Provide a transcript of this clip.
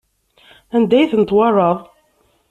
Anda ay tent-twalaḍ?